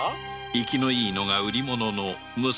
活きのいいのが売りものの娘